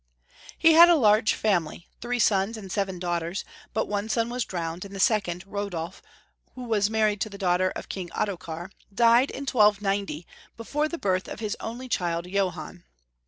He had a large family, three sons and seven daughters, but one son was drowned, and the second, Rodolf, who was married to the daughter of King Ottokar, died in 1290, before the birth of his only child, Johann.